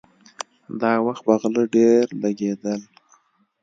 دا وخت به غله ډېر لګېدل.